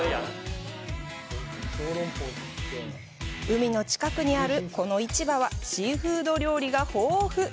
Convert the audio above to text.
海の近くにあるこの市場はシーフード料理が豊富。